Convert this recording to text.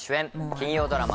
金曜ドラマ